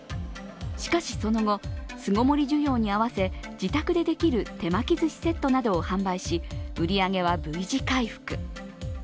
しかしその後、巣籠もり需要に合わせ、自宅でできる手巻きずしセットなどを販売し、売り上げはＶ字回復。